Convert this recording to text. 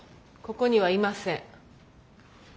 ここにはいません。